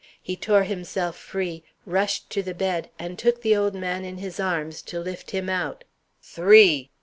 He tore himself free, rushed to the bed, and took the old man in his arms to lift him out. "Three!"